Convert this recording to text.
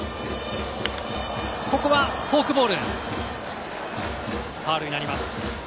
ここはフォークボール、ファウルになります。